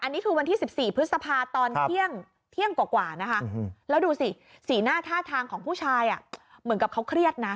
อันนี้คือวันที่๑๔พฤษภาตอนเที่ยงกว่านะคะแล้วดูสิสีหน้าท่าทางของผู้ชายเหมือนกับเขาเครียดนะ